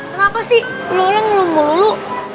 kenapa sih lu langsung mau lulu